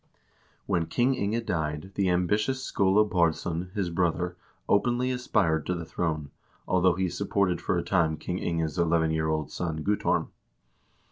When King Inge died, the ambitious Skule Baardsson, his brother, openly aspired to the throne, although he supported for a time King Inge's eleven year old son Guttorm.